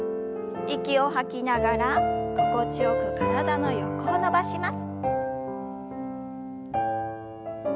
息を吐きながら心地よく体の横を伸ばします。